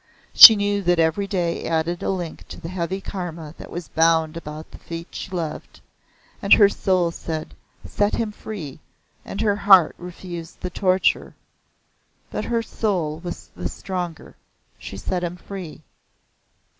She knew that every day added a link to the heavy Karma that was bound about the feet she loved, and her soul said "Set him free," and her heart refused the torture. But her soul was the stronger. She set him free."